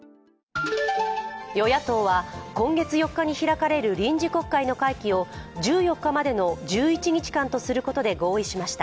与野党は今月４日に開かれる臨時国会の会期を１４日までの１１日間とすることで合意しました。